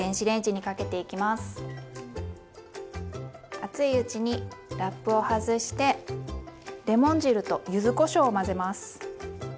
熱いうちにラップを外してレモン汁とゆずこしょうを混ぜます。